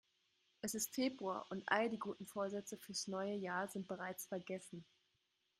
Es ist Februar und all die guten Vorsätze fürs neue Jahr sind bereits vergessen.